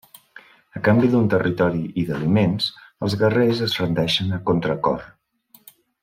A canvi d'un territori i d'aliments, els guerrers es rendeixen a contra cor.